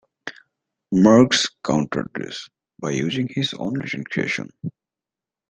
Marks countered this by using his own written creations.